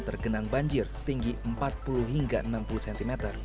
tergenang banjir setinggi empat puluh hingga enam puluh cm